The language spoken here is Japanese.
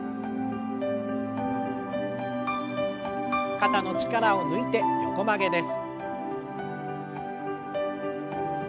肩の力を抜いて横曲げです。